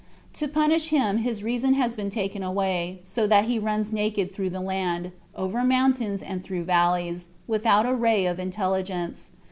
To punish him his reason has been taken away, so that he runs naked through the land, over mountains and through valleys, without a ray of intelligence.